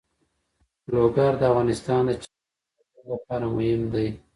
لوگر د افغانستان د چاپیریال ساتنې لپاره مهم دي.